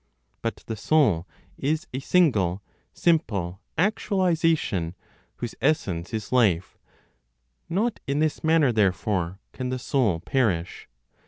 But the soul is a single, simple actualization, whose essence is life; not in this manner therefore can the soul perish.